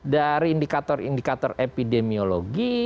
dari indikator indikator epidemiologi